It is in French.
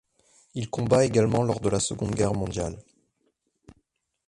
Il combat également lors de la Seconde Guerre mondiale.